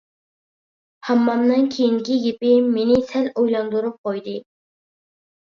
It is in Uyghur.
ھاممامنىڭ كېيىنكى گېپى مېنى سەل ئويلاندۇرۇپ قويدى.